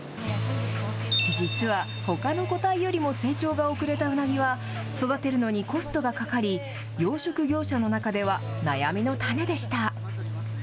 実はほかの個体よりも成長が遅れたウナギは育てるのにコストがかかり養殖業者の中では悩みの種でした。